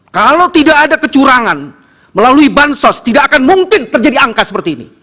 kalau tidak ada kecurangan melalui bansos tidak akan mungkin terjadi angkasa